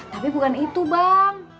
tapi bukan itu bang